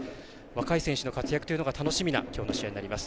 若い選手の活躍というのが楽しみなきょうの試合になります。